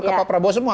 ke pak prabowo semua